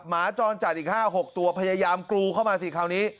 หมาจรจัดอีก๕๖ตัวพยายามกรูเข้ามาสิคราวนี้